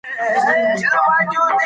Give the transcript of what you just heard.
که جمع وي نو شمېر نه کمیږي.